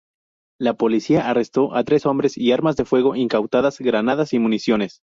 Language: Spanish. La policía arrestó a tres hombres y armas de fuego incautadas, granadas y municiones.